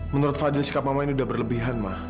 menurut fadil sikap mama ini udah berlebihan ma